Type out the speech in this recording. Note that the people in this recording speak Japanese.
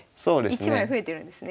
１枚増えてるんですね。